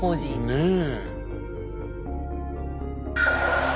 ねえ？